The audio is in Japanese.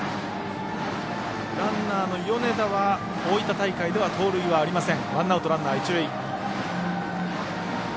ランナーの米田は大分大会では盗塁はありません。